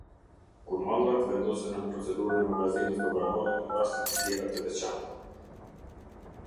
Kur mallrat vendosen nën procedurën e magazinës doganore, në raste të tjera të veçanta.